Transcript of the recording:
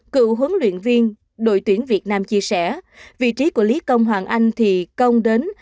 cựu huấn luyện viên đội tuyển việt nam chia sẻ vị trí của lý công hoàng anh thì công đến